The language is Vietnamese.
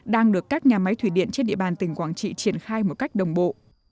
đang được các nhà máy thủy điện trên địa bàn tỉnh quảng trị triển khai một cách đồng bộ